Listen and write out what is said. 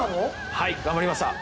はい頑張りました。